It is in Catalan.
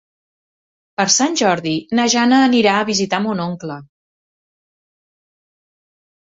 Per Sant Jordi na Jana anirà a visitar mon oncle.